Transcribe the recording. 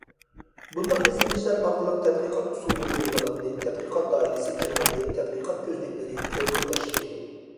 بۇنداق ئىزدىنىشلەر ئارقىلىق تەتقىقات ئۇسۇللىرى يېڭىلاندى، تەتقىقات دائىرىسى كېڭەيدى، تەتقىقات كۆزنەكلىرى كۆپ خىللاشتى.